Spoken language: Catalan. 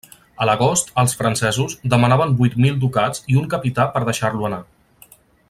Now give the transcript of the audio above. A l'agost, els francesos, demanaven vuit mil ducats i un capità per deixar-lo anar.